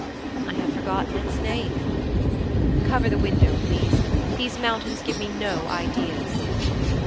'I have forgotten its name.' 'Cover the window, please. These mountains give me no ideas.'